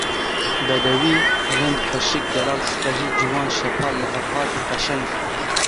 Bedewî: rind, xweşik, delal, spehî, ciwan, şepal, lihevhatî, qeşeng.